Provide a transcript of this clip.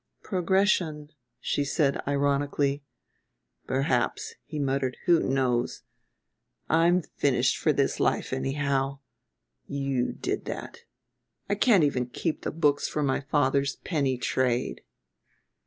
"Progression," she said ironically. "Perhaps," he muttered. "Who knows? I'm finished for this life anyhow. You did that. I can't even keep the books for my father's penny trade."